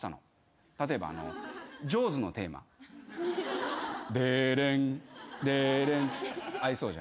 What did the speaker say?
例えば『ジョーズのテーマ』「デーデンデーデン」合いそうじゃん？